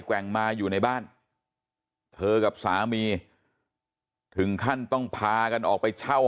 แว่งมาอยู่ในบ้านเธอกับสามีถึงขั้นต้องพากันออกไปเช่า